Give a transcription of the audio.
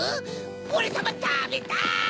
オレさまたべたい！